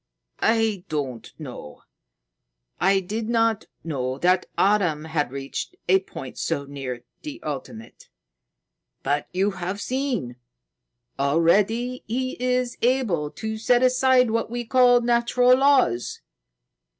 "I don't know. I did not know that Adam had reached a point so near the ultimate. But you have seen. Already he is able to set aside what we call natural laws."